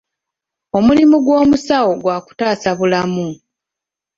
Omulimu gw'omusawo gwa kutaasa bulamu.